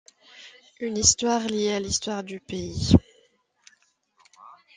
Une histoire liée à l'histoire du pays…